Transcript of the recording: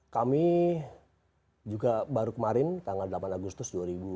kami juga baru kemarin tanggal delapan agustus dua ribu dua puluh